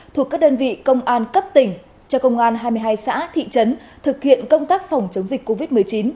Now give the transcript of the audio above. thuộc các đơn vị công an cấp tỉnh cho công an hai mươi hai xã thị trấn thực hiện công tác phòng chống dịch covid một mươi chín